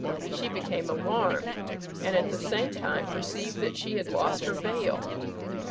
She became alarmed, and at the same time perceived that she had lost her veil.